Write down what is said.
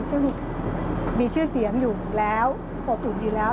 ซึ่งมีชื่อเสียงอยู่แล้วบุตรอุ่นทีแล้ว